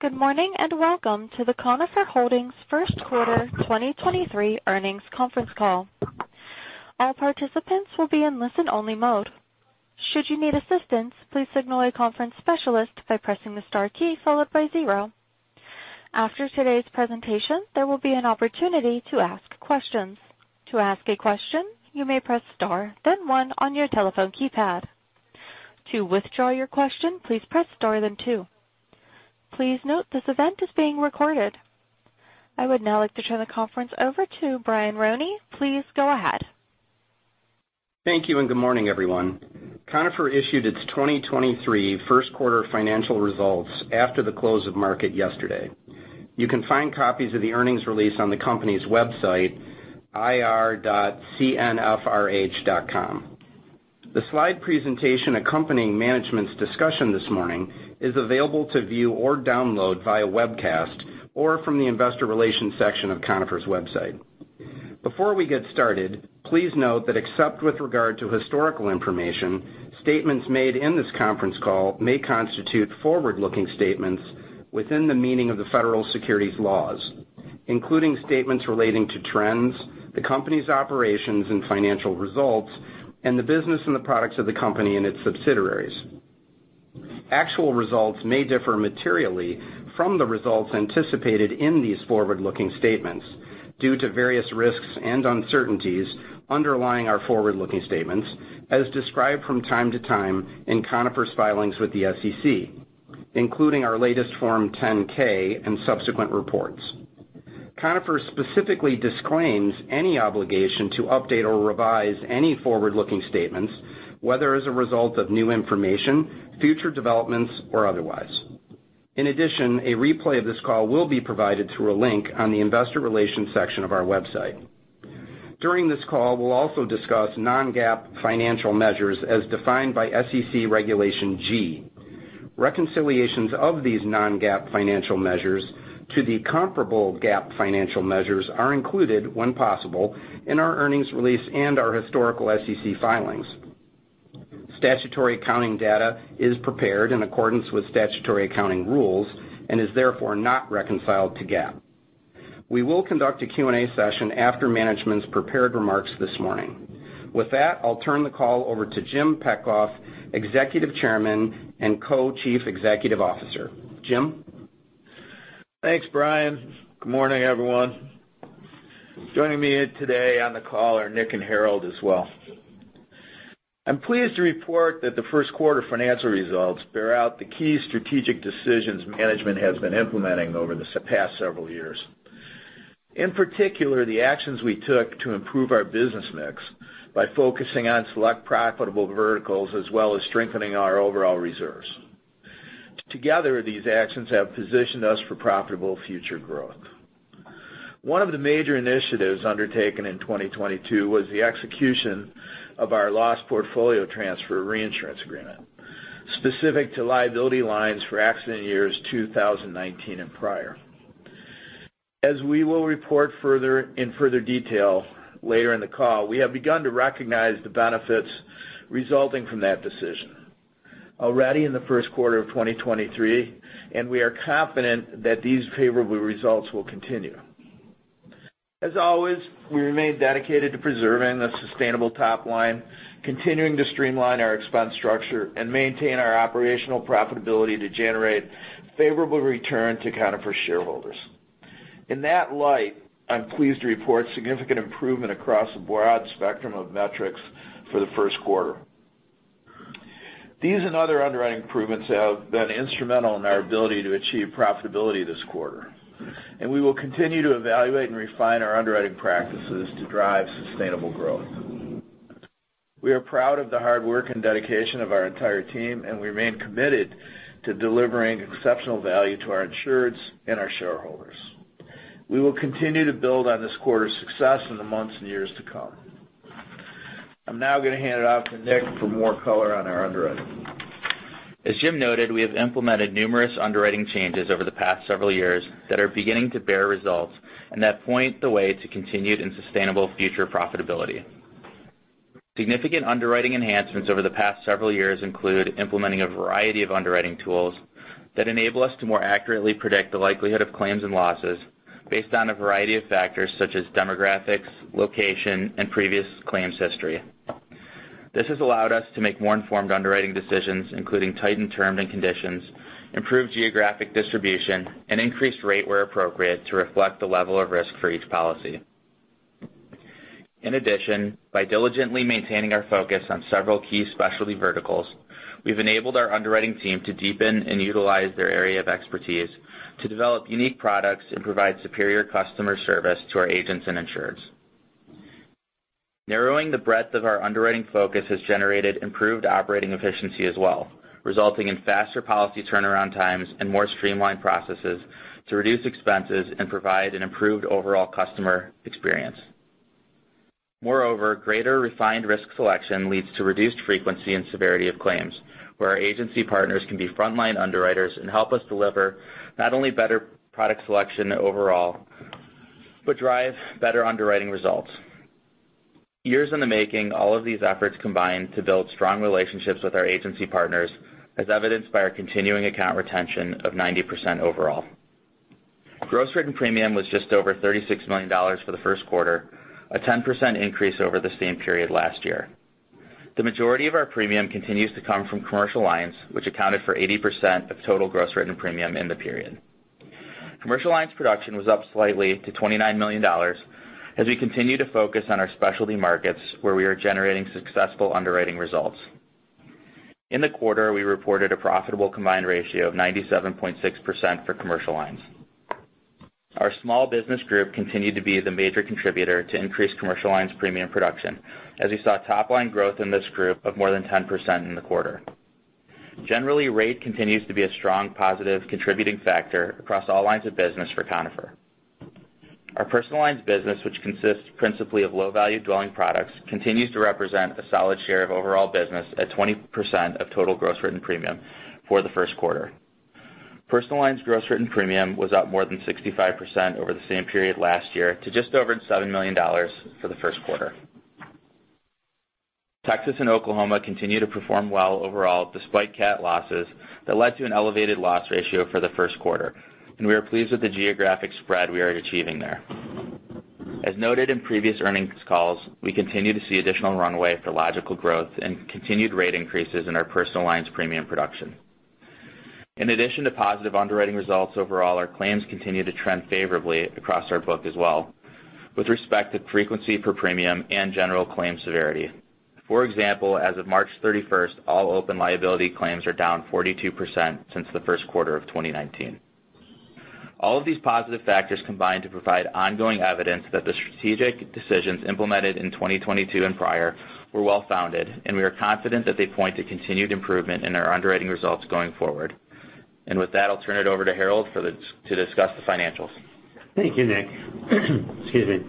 Good morning. Welcome to the Conifer Holdings Q1 2023 earnings conference call. All participants will be in listen-only mode. Should you need assistance, please signal a conference specialist by pressing the star key followed by zero. After today's presentation, there will be an opportunity to ask questions. To ask a question, you may press star then one on your telephone keypad. To withdraw your question, please press star then two. Please note this event is being recorded. I would now like to turn the conference over to Brian Roney. Please go ahead. Thank you, good morning, everyone. Conifer issued its 2023 Q1 financial results after the close of market yesterday. You can find copies of the earnings release on the company's website, ir.cnfrh.com. The slide presentation accompanying management's discussion this morning is available to view or download via webcast or from the investor relations section of Conifer's website. Before we get started, please note that except with regard to historical information, statements made in this conference call may constitute forward-looking statements within the meaning of the federal securities laws, including statements relating to trends, the company's operations and financial results, and the business and the products of the company and its subsidiaries. Actual results may differ materially from the results anticipated in these forward-looking statements due to various risks and uncertainties underlying our forward-looking statements, as described from time to time in Conifer's filings with the SEC, including our latest Form 10-K and subsequent reports. Conifer specifically disclaims any obligation to update or revise any forward-looking statements, whether as a result of new information, future developments, or otherwise. In addition, a replay of this call will be provided through a link on the investor relations section of our website. During this call, we'll also discuss non-GAAP financial measures as defined by SEC Regulation G. Reconciliations of these non-GAAP financial measures to the comparable GAAP financial measures are included, when possible, in our earnings release and our historical SEC filings. Statutory accounting data is prepared in accordance with statutory accounting rules and is therefore not reconciled to GAAP. We will conduct a Q&A session after management's prepared remarks this morning. With that, I'll turn the call over to James Petcoff, Executive Chairman and Co-Chief Executive Officer. Jim? Thanks, Brian. Good morning, everyone. Joining me today on the call are Nick and Harold as well. I'm pleased to report that the Q1 financial results bear out the key strategic decisions management has been implementing over the past several years. In particular, the actions we took to improve our business mix by focusing on select profitable verticals as well as strengthening our overall reserves. Together, these actions have positioned us for profitable future growth. One of the major initiatives undertaken in 2022 was the execution of our loss portfolio transfer reinsurance agreement, specific to liability lines for accident years 2019 and prior. As we will report in further detail later in the call, we have begun to recognize the benefits resulting from that decision already in the Q1 of 2023, and we are confident that these favorable results will continue. As always, we remain dedicated to preserving a sustainable top line, continuing to streamline our expense structure and maintain our operational profitability to generate favorable return to Conifer shareholders. In that light, I'm pleased to report significant improvement across a broad spectrum of metrics for the Q1. These and other underwriting improvements have been instrumental in our ability to achieve profitability this quarter, and we will continue to evaluate and refine our underwriting practices to drive sustainable growth. We are proud of the hard work and dedication of our entire team, and we remain committed to delivering exceptional value to our insureds and our shareholders. We will continue to build on this quarter's success in the months and years to come. I'm now going to hand it off to Nick for more color on our underwriting. As James noted, we have implemented numerous underwriting changes over the past several years that are beginning to bear results and that point the way to continued and sustainable future profitability. Significant underwriting enhancements over the past several years include implementing a variety of underwriting tools that enable us to more accurately predict the likelihood of claims and losses based on a variety of factors such as demographics, location, and previous claims history. This has allowed us to make more informed underwriting decisions, including tightened terms and conditions, improved geographic distribution, and increased rate where appropriate to reflect the level of risk for each policy. In addition, by diligently maintaining our focus on several key specialty verticals, we've enabled our underwriting team to deepen and utilize their area of expertise to develop unique products and provide superior customer service to our agents and insureds. Narrowing the breadth of our underwriting focus has generated improved operating efficiency as well, resulting in faster policy turnaround times and more streamlined processes to reduce expenses and provide an improved overall customer experience. Moreover, greater refined risk selection leads to reduced frequency and severity of claims, where our agency partners can be frontline underwriters and help us deliver not only better product selection overall, but drive better underwriting results. Years in the making, all of these efforts combined to build strong relationships with our agency partners, as evidenced by our continuing account retention of 90% overall. Gross written premium was just over $36 million for the Q1, a 10% increase over the same period last year. The majority of our premium continues to come from commercial lines, which accounted for 80% of total gross written premium in the period. Commercial lines production was up slightly to $29 million as we continue to focus on our specialty markets where we are generating successful underwriting results. In the quarter, we reported a profitable combined ratio of 97.6% for commercial lines. Our small business group continued to be the major contributor to increased commercial lines premium production as we saw top line growth in this group of more than 10% in the quarter. Generally, rate continues to be a strong positive contributing factor across all lines of business for Conifer. Our personal lines business, which consists principally of low-value dwelling products, continues to represent a solid share of overall business at 20% of total gross written premium for the Q1. Personal lines gross written premium was up more than 65% over the same period last year to just over $7 million for the Q1. Texas and Oklahoma continue to perform well overall despite cat losses that led to an elevated loss ratio for the Q1, and we are pleased with the geographic spread we are achieving there. As noted in previous earnings calls, we continue to see additional runway for logical growth and continued rate increases in our personal lines premium production. In addition to positive underwriting results overall, our claims continue to trend favorably across our book as well, with respect to frequency per premium and general claim severity. For example, as of March 31st, all open liability claims are down 42% since the Q1 of 2019. All of these positive factors combine to provide ongoing evidence that the strategic decisions implemented in 2022 and prior were well-founded, and we are confident that they point to continued improvement in our underwriting results going forward. With that, I'll turn it over to Harold to discuss the financials. Thank you, Nick. Excuse me.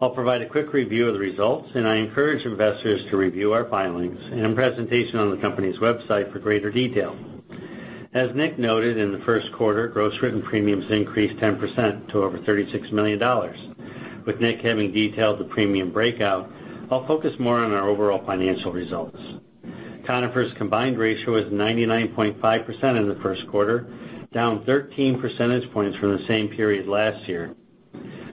I'll provide a quick review of the results. I encourage investors to review our filings and presentation on the company's website for greater detail. As Nick noted, in the Q1, gross written premiums increased 10% to over $36 million. With Nick having detailed the premium breakout, I'll focus more on our overall financial results. Conifer's combined ratio is 99.5% in the Q1, down 13 percentage points from the same period last year.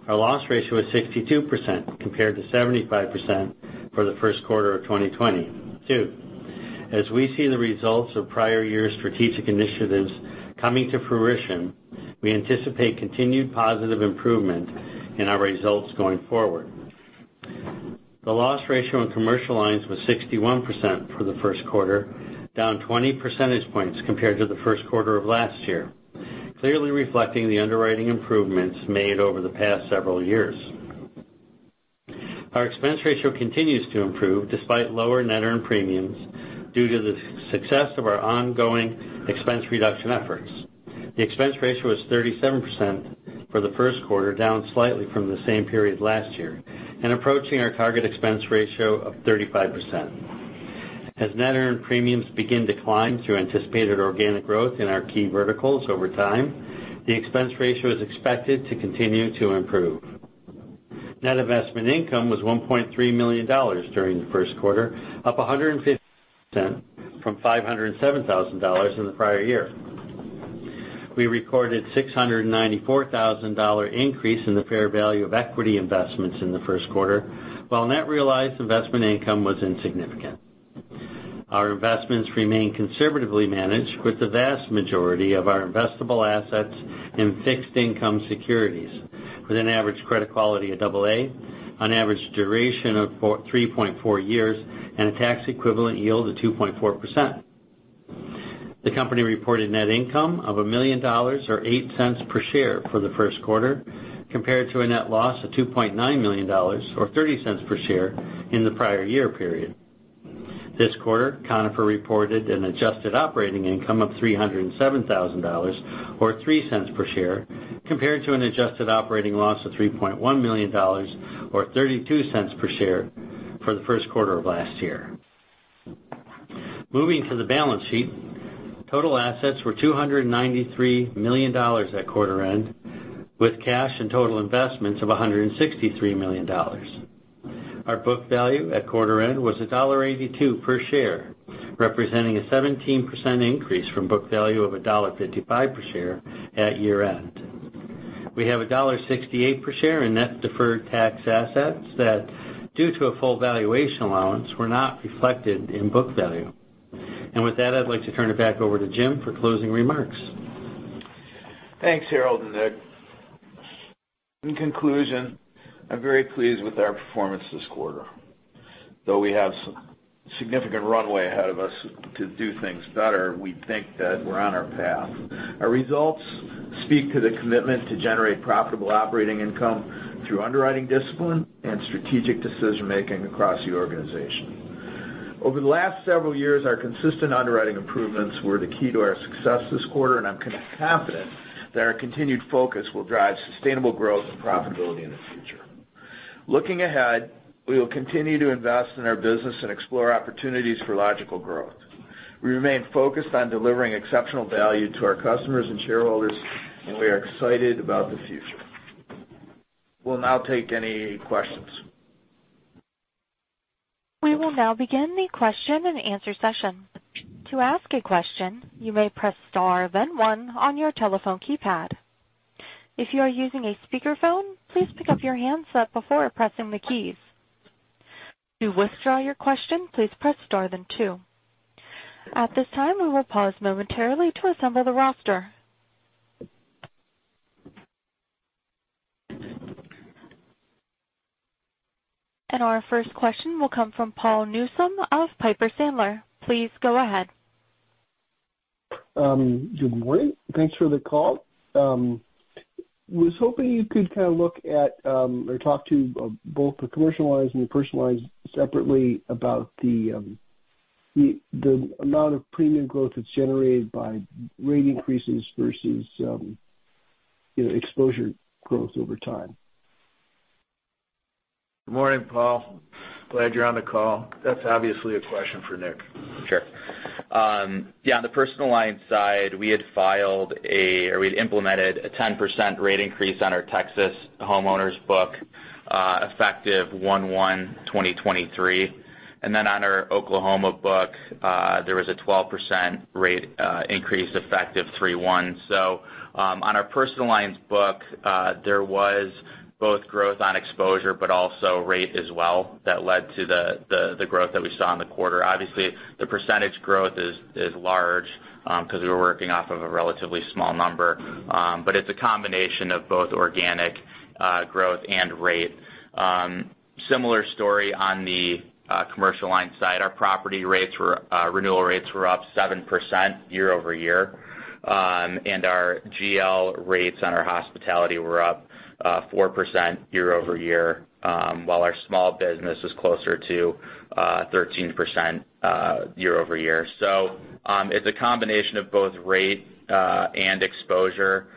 Our loss ratio is 62%, compared to 75% for the Q1 of 2022. As we see the results of prior year's strategic initiatives coming to fruition, we anticipate continued positive improvement in our results going forward. The loss ratio in commercial lines was 61% for the Q1, down 20 percentage points compared to the Q1 of last year, clearly reflecting the underwriting improvements made over the past several years. Our expense ratio continues to improve despite lower net earned premiums due to the success of our ongoing expense reduction efforts. The expense ratio is 37% for the Q1, down slightly from the same period last year, and approaching our target expense ratio of 35%. As net earned premiums begin to climb through anticipated organic growth in our key verticals over time, the expense ratio is expected to continue to improve. Net investment income was $1.3 million during the Q1, up 150% from $507,000 in the prior year. We recorded a $694 thousand increase in the fair value of equity investments in the Q1, while net realized investment income was insignificant. Our investments remain conservatively managed with the vast majority of our investable assets in fixed-income securities with an average credit quality of AA, an average duration of 3.4 years, and a tax-equivalent yield of 2.4%. The company reported net income of $1 million or $0.08 per share for the Q1, compared to a net loss of $2.9 million or $0.30 per share in the prior year period. This quarter, Conifer reported an adjusted operating income of $307,000 or $0.03 per share, compared to an adjusted operating loss of $3.1 million or $0.32 per share for the Q1 of last year. Moving to the balance sheet, total assets were $293 million at quarter end, with cash and total investments of $163 million. Our book value at quarter end was $1.82 per share, representing a 17% increase from book value of $1.55 per share at year-end. We have $1.68 per share in net deferred tax assets that, due to a full valuation allowance, were not reflected in book value. With that, I'd like to turn it back over to Jim for closing remarks. Thanks, Harold and Nick. In conclusion, I'm very pleased with our performance this quarter. Though we have some significant runway ahead of us to do things better, we think that we're on our path. Our results speak to the commitment to generate profitable operating income through underwriting discipline and strategic decision-making across the organization. Over the last several years, our consistent underwriting improvements were the key to our success this quarter, and I'm confident that our continued focus will drive sustainable growth and profitability in the future. Looking ahead, we will continue to invest in our business and explore opportunities for logical growth. We remain focused on delivering exceptional value to our customers and shareholders, and we are excited about the future. We'll now take any questions. We will now begin the question-and-answer session. To ask a question, you may press star then one on your telephone keypad. If you are using a speakerphone, please pick up your handset before pressing the keys. To withdraw your question, please press star then two. At this time, we will pause momentarily to assemble the roster. Our first question will come from Paul Newsome of Piper Sandler. Please go ahead. Good morning. Thanks for the call. Was hoping you could kind of look at, or talk to, both the commercial lines and the personal lines separately about the, the amount of premium growth that's generated by rate increases versus, you know, exposure growth over time. Good morning, Paul. Glad you're on the call. That's obviously a question for Nick. Sure. On the personal line side, we had filed or we'd implemented a 10% rate increase on our Texas homeowners book effective 1/1/2023. On our Oklahoma book, there was a 12% rate increase effective 3/1. On our personal lines book, there was both growth on exposure but also rate as well that led to the growth that we saw in the quarter. Obviously, the percentage growth is large 'cause we were working off of a relatively small number. But it's a combination of both organic growth and rate. Similar story on the commercial lines side. Our property rates were renewal rates were up 7% year-over-year. Our GL rates on our hospitality were up 4% year-over-year, while our small business was closer to 13% year-over-year. It's a combination of both rate and exposure,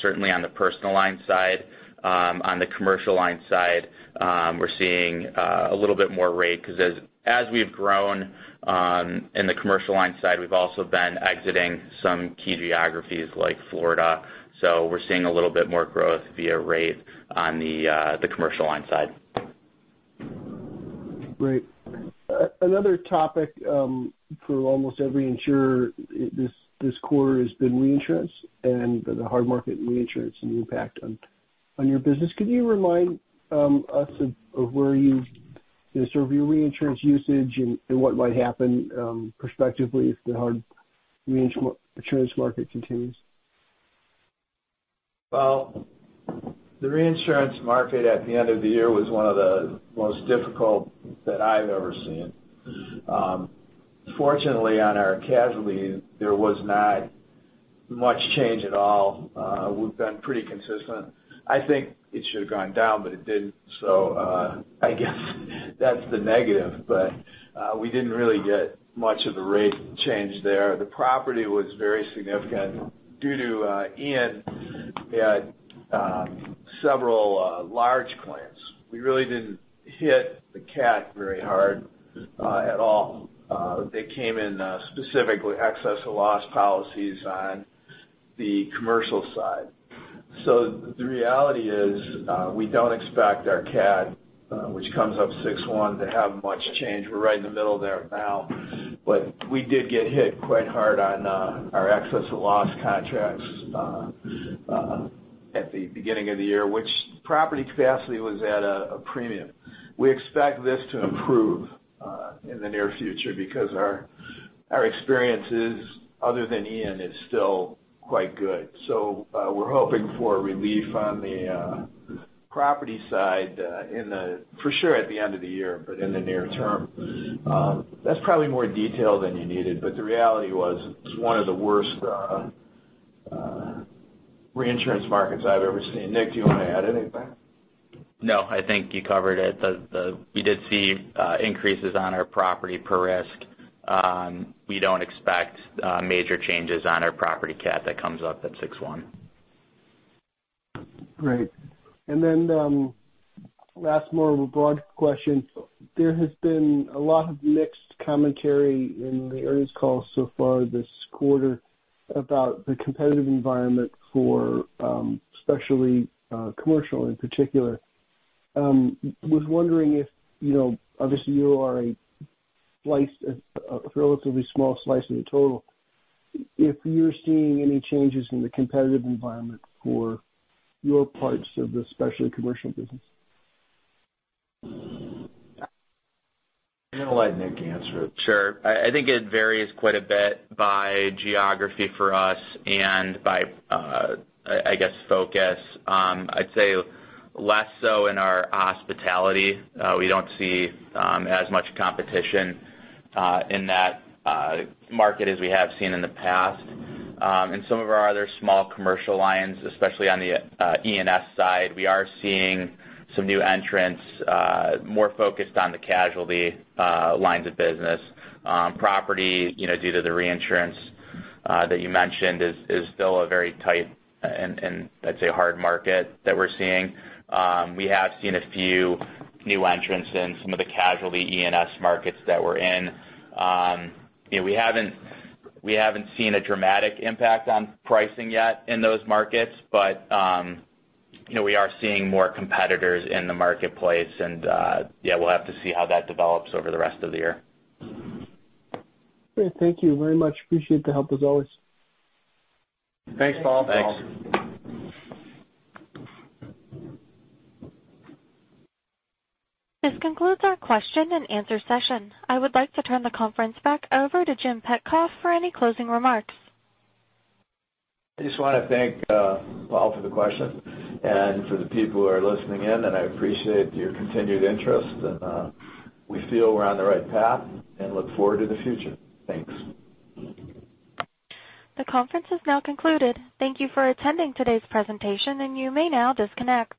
certainly on the personal line side. On the commercial line side, we're seeing a little bit more rate 'cause as we've grown in the commercial line side, we've also been exiting some key geographies like Florida. We're seeing a little bit more growth via rate on the commercial line side. Great. Another topic for almost every insurer this quarter has been reinsurance and the hard market reinsurance and the impact on your business. Could you remind us of where sort of your reinsurance usage and what might happen prospectively if the hard reinsurance market continues? The reinsurance market at the end of the year was one of the most difficult that I've ever seen. Fortunately, on our casualties, there was not much change at all. We've been pretty consistent. I think it should have gone down, but it didn't. I guess that's the negative, but we didn't really get much of the rate change there. The property was very significant due to Ian. We had several large claims. We really didn't hit the cat very hard at all. They came in specifically excess of loss policies on the commercial side. The reality is, we don't expect our cat, which comes up six-one, to have much change. We're right in the middle there now. We did get hit quite hard on our excess of loss contracts at the beginning of the year, which property capacity was at a premium. We expect this to improve in the near future because our experiences other than Ian is still quite good. We're hoping for relief on the property side for sure at the end of the year, but in the near term. That's probably more detail than you needed, but the reality was it's one of the worst reinsurance markets I've ever seen. Nick, do you wanna add anything? No, I think you covered it. We did see increases on our property per risk. We don't expect major changes on our property cat that comes up at six-one. Great. Last more of a broad question. There has been a lot of mixed commentary in the earnings call so far this quarter about the competitive environment for, especially, commercial in particular. Was wondering if, you know, obviously you are a slice, a relatively small slice of the total, if you're seeing any changes in the competitive environment for your parts of the specialty commercial business. I'm gonna let Nick answer it. Sure. I think it varies quite a bit by geography for us and by, I guess, focus. I'd say less so in our hospitality. We don't see as much competition in that market as we have seen in the past. In some of our other small commercial lines, especially on the E&S side, we are seeing some new entrants, more focused on the casualty lines of business. Property, you know, due to the reinsurance that you mentioned is still a very tight and I'd say hard market that we're seeing. We have seen a few new entrants in some of the casualty E&S markets that we're in. You know, we haven't seen a dramatic impact on pricing yet in those markets, but, you know, we are seeing more competitors in the marketplace. Yeah, we'll have to see how that develops over the rest of the year. Great. Thank you very much. Appreciate the help as always. Thanks, Paul. Thanks. This concludes our question and answer session. I would like to turn the conference back over to Jim Petcoff for any closing remarks. I just wanna thank, Paul for the question and for the people who are listening in, and I appreciate your continued interest. We feel we're on the right path and look forward to the future. Thanks. The conference has now concluded. Thank you for attending today's presentation, you may now disconnect.